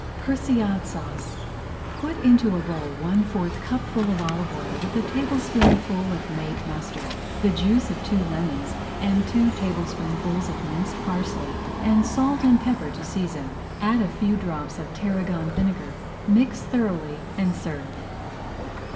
PERSILLADE SAUCE Put into a bowl one fourth cupful of olive oil with a tablespoonful of made mustard, the juice of two lemons, two tablespoonfuls of minced parsley, and salt and pepper to season. Add a few drops of tarragon vinegar, mix thoroughly, and serve.